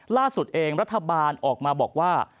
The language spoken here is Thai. ล่าสุดเองรัฐบาลออกมาบอกว่า